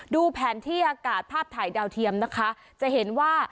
ดูแผนที่อากาศภาพถ่ายดาวเทียมนะคะจะเห็นว่า